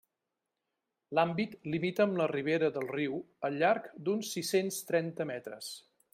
L'àmbit limita amb la ribera del riu al llarg d'uns sis-cents trenta metres.